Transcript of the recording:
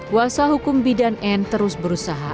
kuasa hukum bidan n terus berusaha